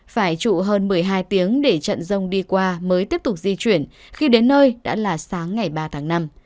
phải trụ hơn một mươi hai tiếng để trận rông đi qua mới tiếp tục di chuyển khi đến nơi đã là sáng ngày ba tháng năm